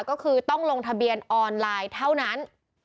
ก็คือต้องลงทะเบียนออนไลน์เท่านั้น